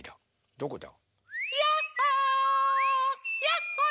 どこだ？